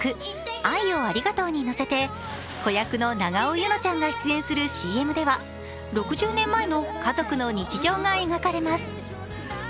「愛をありがとう」にのせて子役の永尾柚乃ちゃんが出演するＣＭでは６０年前の家族の日常が描かれます。